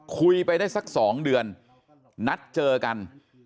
คุยไปได้สัก๒เดือนนัดเจอกัน